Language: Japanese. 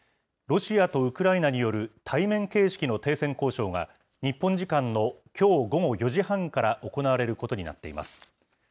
ロシアとウクライナによる対面形式の停戦交渉が日本時間のきょう午後４時半から行われることになっています。